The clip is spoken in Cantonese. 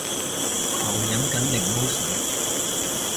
狂飲緊檸檬水